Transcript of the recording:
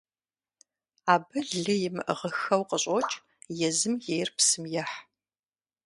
Абы лы имыӀыгъыххэу къыщӀокӀ, езым ейр псым ехь.